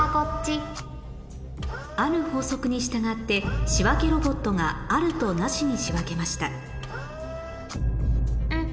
ある法則に従って仕分けロボットが「ある」と「なし」に仕分けましたん？